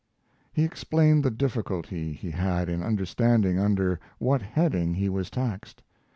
He explained the difficulty he had in understanding under what heading he was taxed.